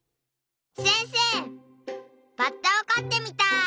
せんせいバッタをかってみたい！